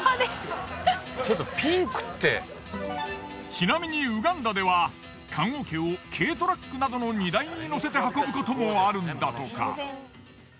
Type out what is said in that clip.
ちなみにウガンダでは棺桶を軽トラックなどの荷台に乗せて運ぶこともあるんだとか。